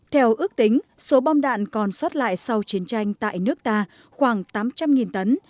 theo ước tính số bom đạn còn xót lại sau chiến tranh tại nước ta khoảng tám trăm linh tấn